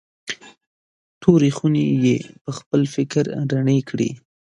تورې خونې یې پخپل فکر رڼې کړې.